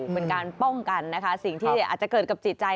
เป็นการป้องกันนะคะสิ่งที่อาจจะเกิดกับจิตใจ